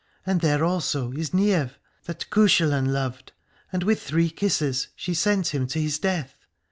And there also is Niamh, that Cuchulain loved, and with three kisses she sent him to his death.